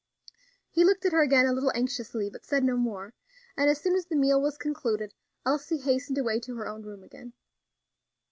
He looked at her again a little anxiously, but said no more; and as soon as the meal was concluded, Elsie hastened away to her own room again.